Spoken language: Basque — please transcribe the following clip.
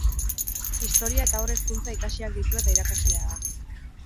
Historia eta haur hezkuntza ikasiak ditu eta irakaslea da.